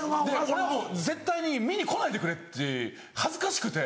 俺は絶対に見に来ないでくれって恥ずかしくて。